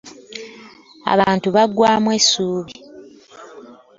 Abantu bagwamu essuubi.